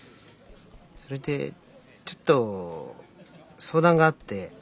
それでちょっと相談があって。